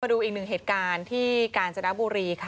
ดูอีกหนึ่งเหตุการณ์ที่กาญจนบุรีค่ะ